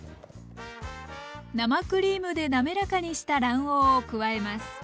生クリームで滑らかにした卵黄を加えます。